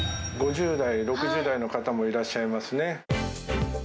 ５０代、６０代の方もいらっしゃいますね。